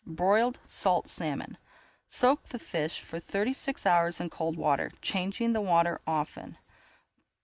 BROILED SALT SALMON Soak the fish for thirty six hours in cold water, changing the water often.